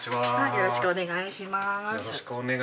よろしくお願いします。